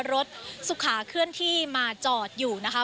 รถสุขาเคลื่อนที่มาจอดอยู่นะคะ